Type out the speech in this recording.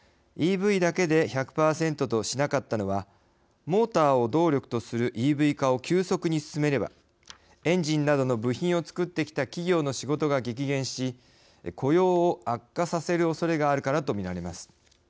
ＥＶだけで１００％としなかったのはモーターを動力とするＥＶ化を急速に進めればエンジンなどの部品をつくってきた企業の仕事が激減し雇用を悪化させるおそれがあるからとみられます。